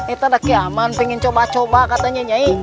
itu dari kiaman ingin coba coba katanya nyai